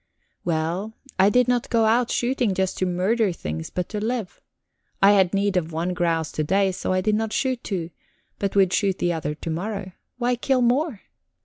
Well, I did not go out shooting just to murder things, but to live. I had need of one grouse to day, and so I did not shoot two, but would shoot the other to morrow. Why kill more?